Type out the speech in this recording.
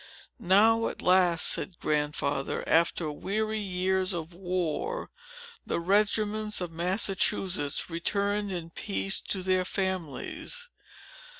"Now, at last," said Grandfather, "after weary years of war, the regiments of Massachusetts returned in peace to their families.